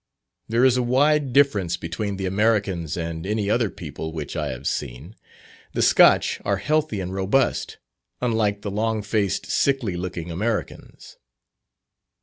There is a wide difference between the Americans and any other people which I have seen. The Scotch are healthy and robust, unlike the long faced, sickly looking Americans.